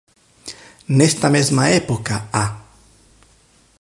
Nesta mesma época A.